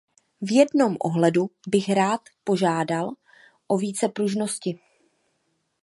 V jednom ohledu bych rád požádal o více pružnosti.